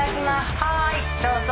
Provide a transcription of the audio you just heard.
はいどうぞ。